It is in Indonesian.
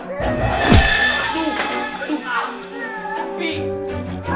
kamu harus ke tempat tidur